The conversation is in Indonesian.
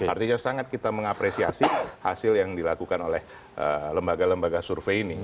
artinya sangat kita mengapresiasi hasil yang dilakukan oleh lembaga lembaga survei ini